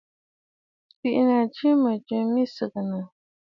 Bì’inǝ̀ jɨ mɨjɨ mì sɨgɨnǝ̀.